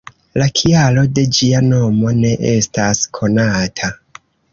La kialo de ĝia nomo ne estas konata.